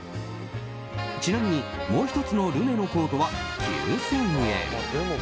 ちなみに、もう１つのルネのコートは９０００円。